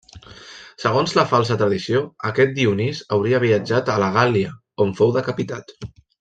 Segons la falsa tradició, aquest Dionís hauria viatjat a la Gàl·lia, on fou decapitat.